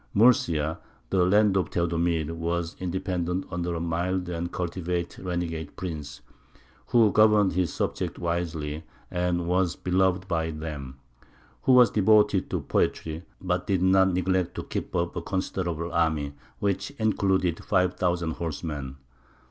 Murcia, the "land of Theodemir," was independent under a mild and cultivated renegade prince, who governed his subjects wisely, and was beloved by them; who was devoted to poetry, but did not neglect to keep up a considerable army, which included five thousand horsemen.